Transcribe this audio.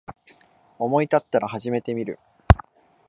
思いたったら始めてみる